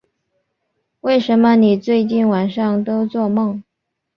为什么你最近晚上都作梦